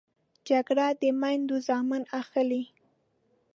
جګړه د میندو زامن اخلي